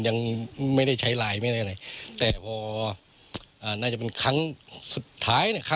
ยังไม่ได้ใช้ไลน์ไม่ได้อะไรแต่พออ่าน่าจะเป็นครั้งสุดท้ายนะครับ